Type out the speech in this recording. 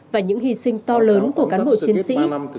và những hy sinh to lớn của cán bộ chiến sĩ